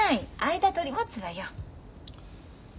間取り持つわよ。